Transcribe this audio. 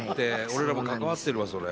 俺らも関わってるわそれ。